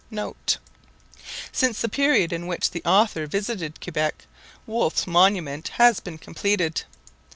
[* Since the period in which the author visited Quebec, Wolfe's monument has been completed.